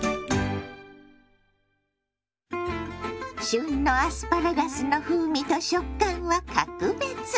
旬のアスパラガスの風味と食感は格別。